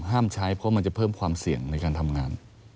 ใช้เพราะมันจะเพิ่มความเสี่ยงในการทำงาน